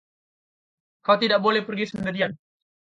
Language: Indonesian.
Kau tidak boleh pergi sendirian.